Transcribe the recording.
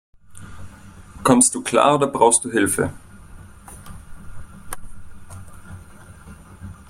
Kommst du klar, oder brauchst du Hilfe?